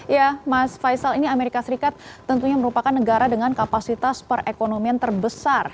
ya mas faisal ini amerika serikat tentunya merupakan negara dengan kapasitas perekonomian terbesar